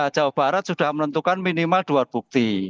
jawa barat sudah menentukan minimal dua bukti